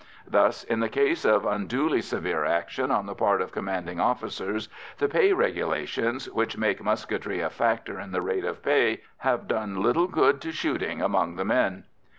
Thus, in the case of unduly severe action on the part of commanding officers, the pay regulations, which make musketry a factor in the rate of pay, have done little good to shooting among the men.